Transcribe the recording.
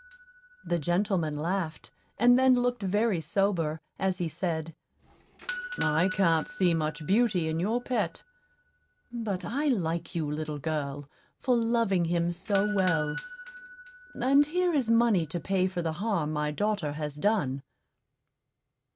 '" The gentleman laughed, and then looked very sober, as he said, "I can't see much beauty in your pet; but I like you, little girl, for loving him so well; and here is money to pay for the harm my daughter has done."